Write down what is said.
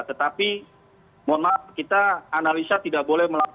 tetapi mohon maaf kita analisa tidak boleh menurut anda